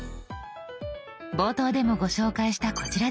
冒頭でもご紹介したこちらです。